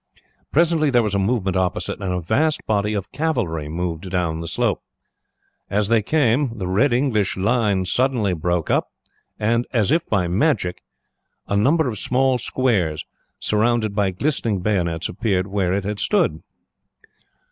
"Presently there was a movement opposite, and a vast body of cavalry moved down the slope. As they came the red English line suddenly broke up, and, as if by magic, a number of small squares, surrounded by glistening bayonets, appeared where it had stood.